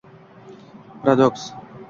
Paradoks ⚡️⚡️⚡️